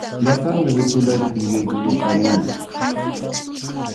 Ñataqmi ripunaypaq yuyaykukurqaniña.